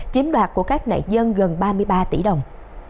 chiếm đoạt của các nạn nhân gần ba mươi ba tỷ đồng